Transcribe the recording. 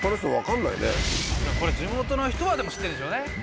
これ地元の人はでも知ってるんでしょうね。